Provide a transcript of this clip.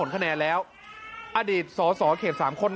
กายุ่ง